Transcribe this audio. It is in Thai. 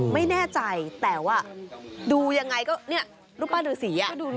ไม่แน่ใจแต่ว่าดูยังไงก็เนี่ยรูปปั้นฤษี